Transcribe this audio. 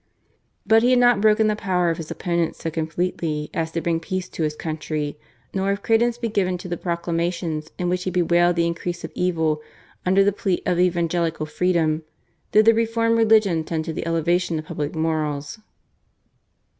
But he had not broken the power of his opponents so completely as to bring peace to his country, nor, if credence be given to the proclamations in which he bewailed the increase of evil under the plea of evangelical freedom, did the reformed religion tend to the elevation of public morals.